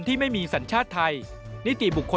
๕เงินจากการรับบริจาคจากบุคคลหรือนิติบุคคล